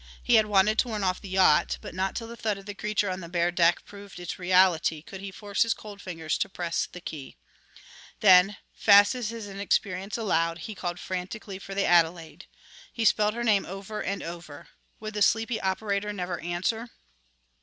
He had wanted to warn off the yacht, but not till the thud of the creature on the bare deck proved its reality could he force his cold fingers to press the key. Then, fast as his inexperience allowed, he called frantically for the Adelaide. He spelled her name, over and over.... Would the sleepy operator never answer?